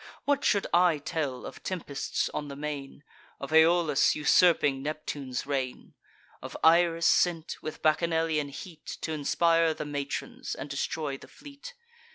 What should I tell of tempests on the main, Of Aeolus usurping Neptune's reign? Of Iris sent, with Bacchanalian heat T' inspire the matrons, and destroy the fleet?